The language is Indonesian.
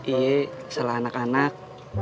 iya salah anak anak